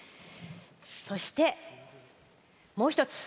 そして、もう一つ。